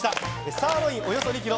サーロインおよそ２ｋｇ。